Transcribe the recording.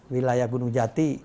wilayah gunung jati